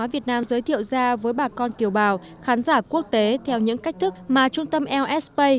văn hóa việt nam giới thiệu ra với bà con tiều bào khán giả quốc tế theo những cách thức mà trung tâm lsp